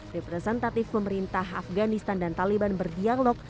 representatif pemerintah afganistan dan taliban berdialog